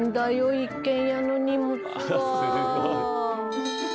一軒家の荷物は。